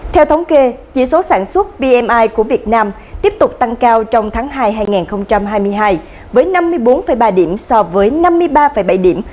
theo thống kê chỉ số sản xuất pmi của việt nam tiếp tục tăng cao trong tháng hai hai nghìn hai mươi hai với năm mươi bốn ba điểm so với năm mươi ba bảy điểm